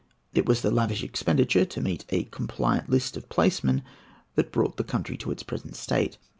It was the lavish expenditure to meet a compliant list of placemen that brought the country to its present state.